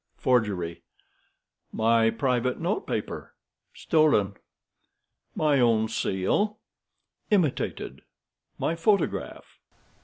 Forgery." "My private note paper." "Stolen." "My own seal." "Imitated." "My photograph."